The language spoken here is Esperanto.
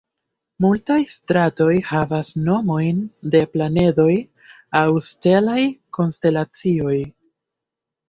Multaj stratoj havas nomojn de planedoj aŭ stelaj konstelacioj.